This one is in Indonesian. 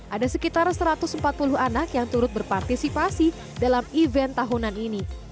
ada sekitar satu ratus empat puluh anak yang turut berpartisipasi dalam event tahunan ini